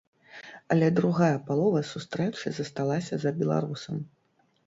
Але другая палова сустрэчы засталася за беларусам.